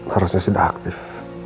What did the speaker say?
harusnya sudah aktif